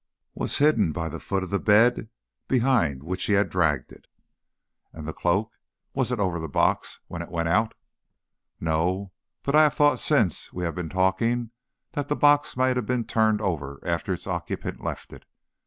"Was hidden by the foot of the bed behind which he had dragged it." "And the cloak? Was it over the box when it went out?" "No; but I have thought since we have been talking, that the box might have been turned over after its occupant left it.